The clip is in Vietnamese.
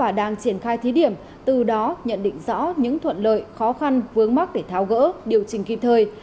và đang triển khai thí điểm từ đó nhận định rõ những thuận lợi khó khăn vướng mắt để tháo gỡ điều chỉnh kịp thời